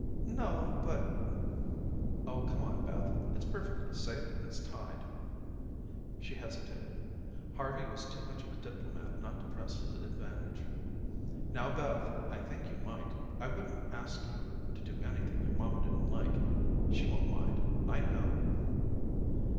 "No, but " "Oh, come on, Beth. It's perfectly safe when it's tied." She hesitated. Harvey was too much of a diplomat not to press his advantage. "Now, Beth, I think you might. I wouldn't ask you to do anything your mamma didn't like. She won't mind, I know."